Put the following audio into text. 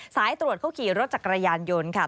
สายตรวจเขาขี่รถจักรยานยนต์ค่ะ